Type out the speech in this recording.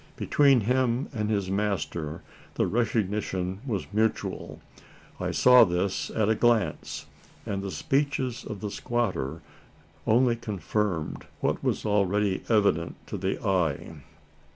Between him and his master the recognition was mutual. I saw this at a glance; and the speeches of the squatter only confirmed what was already evident to the eye.